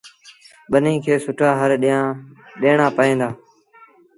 ٻنيٚ کي سُٺآ هر ڏيٚڻآݩ پئيٚن دآ۔